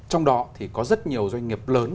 trong đó thì có rất nhiều doanh nghiệp lớn